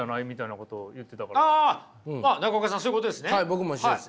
僕も一緒です。